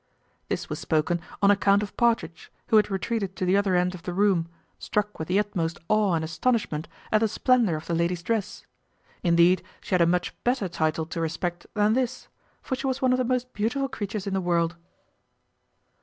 This was spoken on account of Partridge, who had retreated to the other end of the room, struck with the utmost awe and astonishment at the splendor of the lady's dress. Indeed, she had a much better title to respect than this; for she was one of the most beautiful creatures in the world.